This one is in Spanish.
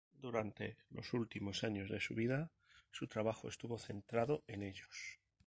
Durante los últimos años de su vida su trabajo estuvo centrado en ellos.